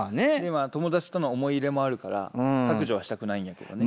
友達との思い入れもあるから削除はしたくないんやけどね。